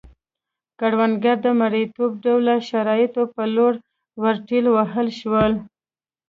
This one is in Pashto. کروندګر د مریتوب ډوله شرایطو په لور ورټېل وهل شول.